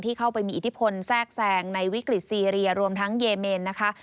เข้าไปมีอิทธิพลแทรกแทรงในวิกฤตซีเรียรวมทั้งเยเมนนะคะ